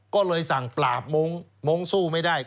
ก็เลยสั่งปราบมงค์สู้ไม่ได้